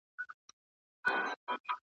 چي يې نوم وای تر اسمانه رسېدلی `